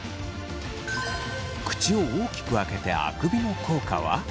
口を大きく開けてあくびの効果は？